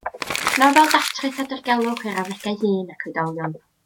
Nofel datrys a dirgelwch i'r arddegau hŷn ac oedolion.